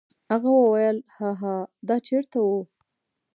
هغه وویل: هاها دا چیرته و؟